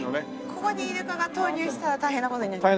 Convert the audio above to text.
ここにイルカを投入したら大変な事になりますね。